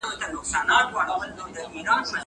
زه اوس سبا ته پلان جوړوم.